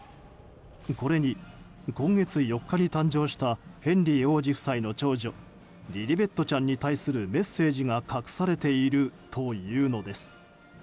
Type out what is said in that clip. これに、今月４日に誕生したヘンリー王子夫妻の長女リリベットちゃんに対するメッセージが隠されているというのです。